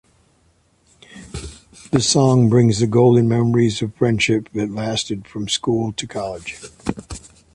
This song brings the golden memories of friendship that lasted from school to college.